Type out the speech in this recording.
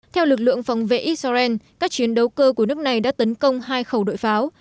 theo lực lượng phòng vệ israel các chiến đấu cơ của nước này đã tấn công hai khẩu đội pháo